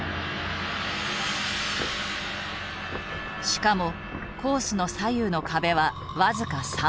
しかもコースの左右の壁は僅か３センチ。